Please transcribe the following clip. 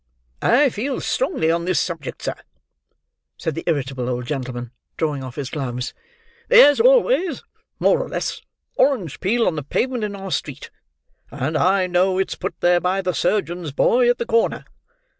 "I feel strongly on this subject, sir," said the irritable old gentleman, drawing off his gloves. "There's always more or less orange peel on the pavement in our street; and I know it's put there by the surgeon's boy at the corner.